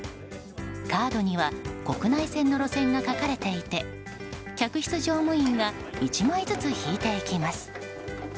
カードには国内線の路線が書かれていて客室乗務員は１枚ずつ引いていきます。